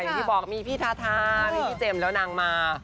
อย่างที่บอกมีพี่ทาทามีพี่เจมส์แล้วนางมา